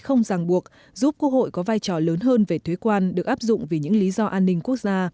của quốc hội có vai trò lớn hơn về thuế quan được áp dụng vì những lý do an ninh quốc gia